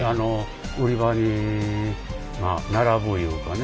売り場に並ぶいうかね